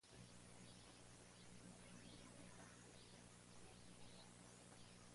Esta lesión forzó la jubilación anticipada de Aiken del campo del polo.